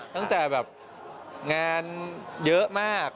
ตั้งแต่แบบงานเยอะมาก